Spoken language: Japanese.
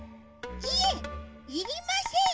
いえいりません。